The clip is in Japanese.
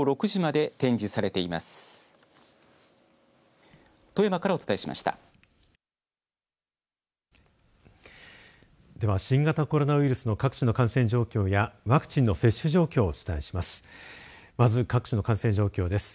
では新型コロナウイルスの各地の感染状況やワクチンの接種状況をお伝えします。